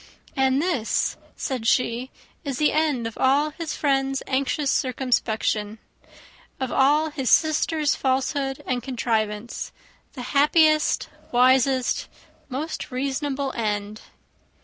"And this," said she, "is the end of all his friend's anxious circumspection! of all his sister's falsehood and contrivance! the happiest, wisest, and most reasonable end!"